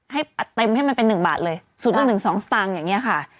ให้อัดเต็มให้มันเป็น๑บาทเลย๐๑๑๒สตางค์อย่างนี้ค่ะ